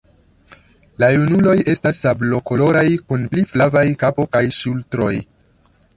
La junuloj estas sablokoloraj kun pli flavaj kapo kaj ŝultroj.